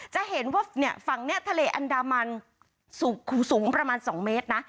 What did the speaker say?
จะเห็นว่าฝั่งนี้ทะเลอันดามันสูงประมาณ๒เมตรนะ